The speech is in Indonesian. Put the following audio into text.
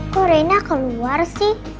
kok rena keluar sih